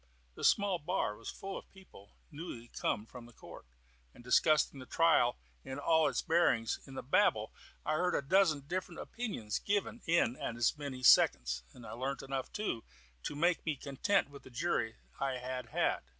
The small bar was full of people newly come from the court, and discussing the trial in all its bearings. In the babel I heard a dozen different opinions given in as many seconds, and learnt enough, too, to make me content with the jury I had had.